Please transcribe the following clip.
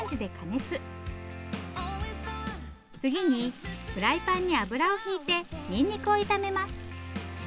次にフライパンに油を引いてニンニクを炒めます。